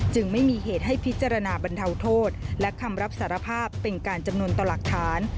ไม่มีเหตุให้พิจารณาบรรเทาโทษและคำรับสารภาพเป็นการจำนวนต่อหลักฐาน